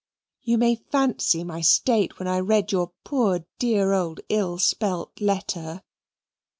You may fancy my state when I read your poor dear old ill spelt letter.